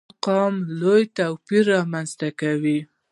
ارقامو لوی توپير رامنځته کوي.